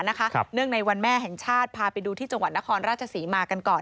เนื่องในวันแม่แห่งชาติพาไปดูที่จังหวัดนครราชศรีมากันก่อน